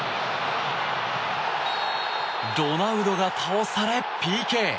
ロナウドが倒されＰＫ。